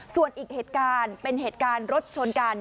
ส่วนอีกเหตุการณ์เป็นเหตุการณ์รถชนกัน